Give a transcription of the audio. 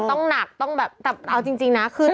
ออกอากาศอีกก่อน